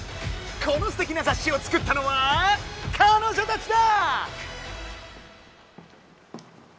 このステキな雑誌を作ったのは彼女たちだ！